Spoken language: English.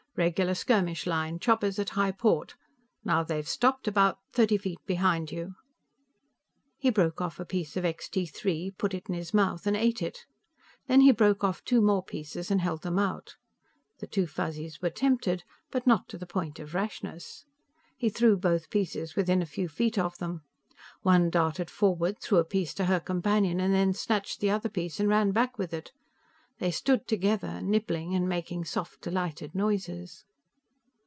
"Regular skirmish line; choppers at high port. Now they've stopped, about thirty feet behind you." He broke off a piece of Extee Three, put it in his mouth and ate it. Then he broke off two more pieces and held them out. The two Fuzzies were tempted, but not to the point of rashness. He threw both pieces within a few feet of them. One darted forward, threw a piece to her companion and then snatched the other piece and ran back with it. They stood together, nibbling and making soft delighted noises.